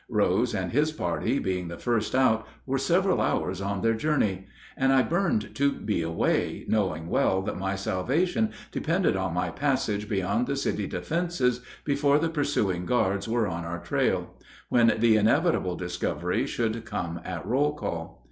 Rose and his party, being the first out, were several hours on their journey; and I burned to be away, knowing well that my salvation depended on my passage beyond the city defenses before the pursuing guards were on our trail, when the inevitable discovery should come at roll call.